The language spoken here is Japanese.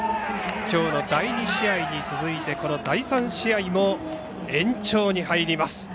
今日の第２試合に続いてこの第３試合も延長に入ります。